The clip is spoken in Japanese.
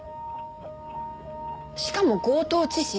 しかも強盗致死。